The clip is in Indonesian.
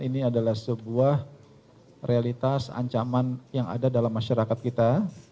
ini adalah sebuah realitas ancaman yang ada dalam masyarakat kita